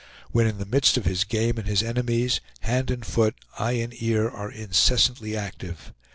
When in the midst of his game and his enemies, hand and foot, eye and ear, are incessantly active.